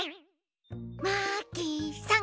マーキーさん！